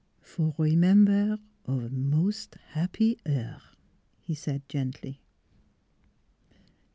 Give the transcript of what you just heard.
" For remembaire of mos' happy heure," he said gently.